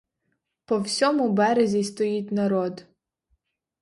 По всьому березі стоїть народ.